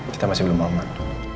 kita masih belum aman